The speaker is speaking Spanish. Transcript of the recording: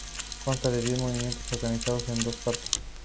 Consta de diez movimientos, organizados en dos partes.